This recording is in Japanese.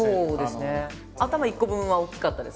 頭１個分は大きかったです。